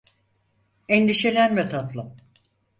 Endişelenme tatlım.